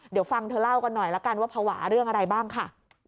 เดี๋ยวฟังเธอเล่ากันหน่อยละกันว่าภาวะเรื่องอะไรบ้างค่ะ